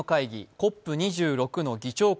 ＣＯＰ２６の議長国